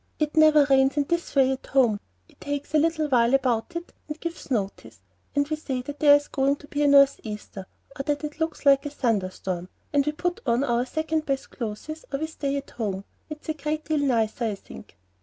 It never rains in this way at home. It takes a little while about it, and gives notice; and we say that there's going to be a northeaster, or that it looks like a thunder storm, and we put on our second best clothes or we stay at home. It's a great deal nicer, I think."